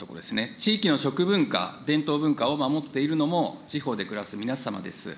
地域の食文化、伝統文化を守っているのも地方で暮らす皆様です。